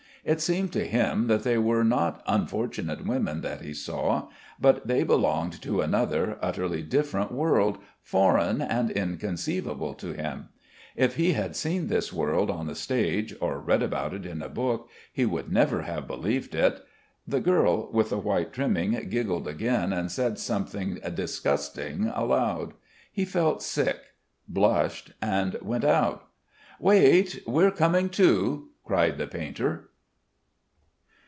It seemed to him that they were not unfortunate women that he saw, but they belonged to another, utterly different world, foreign and inconceivable to him; if he had seen this world on the stage or read about it in a book he would never have believed it.... The girl with the white trimming giggled again and said something disgusting aloud. He felt sick, blushed, and went out: "Wait. We're coming too," cried the painter.